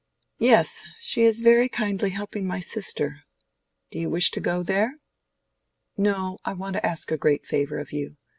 "Yes, she is very kindly helping my sister. Do you wish to go there?" "No, I want to ask a great favor of you.